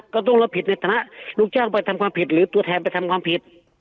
ก็ต้องรับผิดในฐานะลูกจ้างไปทำความผิดหรือตัวแทนไปทำความผิด